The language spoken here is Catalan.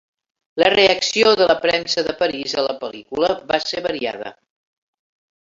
La reacció de la premsa de París a la pel·lícula va ser variada.